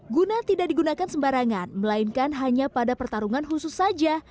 guna tidak digunakan sembarangan melainkan hanya pada pertarungan khusus saja